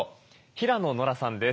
平野ノラさんです。